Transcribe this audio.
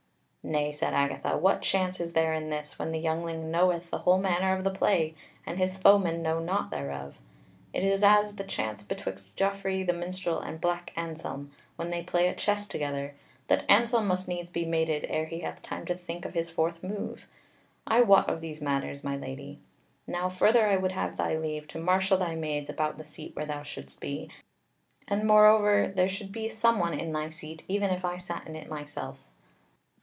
"Nay," said Agatha, "what chance is there in this, when the youngling knoweth the whole manner of the play, and his foemen know naught thereof? It is as the chance betwixt Geoffrey the Minstrel and Black Anselm, when they play at chess together, that Anselm must needs be mated ere he hath time to think of his fourth move. I wot of these matters, my Lady. Now, further, I would have thy leave to marshal thy maids about the seat where thou shouldest be, and moreover there should be someone in thy seat, even if I sat in it myself."